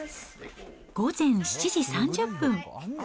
午前７時３０分。